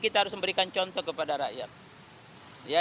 kita harus memberikan contoh kepada rakyat